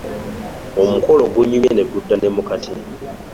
Omukolo gunyumye ne gudda ne mu kati.